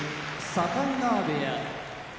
境川部屋